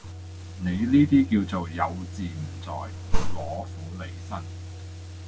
你呢啲叫做「有自唔在，攞苦嚟辛」